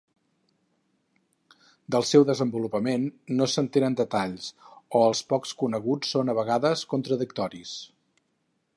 Del seu desenvolupament no se'n tenen detalls o els pocs coneguts són a vegades contradictoris.